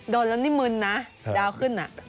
โดนแล้วนี่มึนนะดาวขึ้น